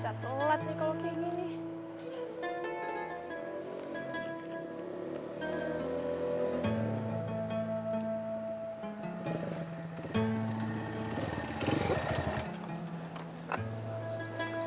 satelit nih kalau kayak gini